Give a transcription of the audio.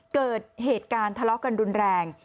เกิดเหตุการณ์ทะเลาะกันรุนแรง